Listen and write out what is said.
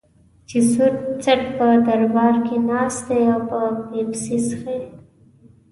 چې سور څټ په دربار کې ناست دی او پیپسي څښي.